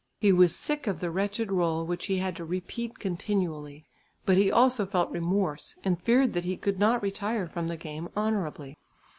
He was sick of the wretched rôle which he had to repeat continually. But he also felt remorse and feared that he could not retire from the game honourably.